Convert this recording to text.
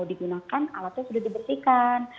juga bisa digunakan alatnya sudah dibersihkan